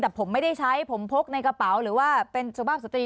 แต่ผมไม่ได้ใช้ผมพกในกระเป๋าหรือว่าเป็นสุภาพสตรี